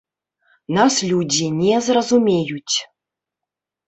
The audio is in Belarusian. Нас людзі не зразумеюць.